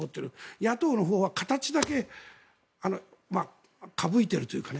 野党のほうは形だけかぶいているというかね。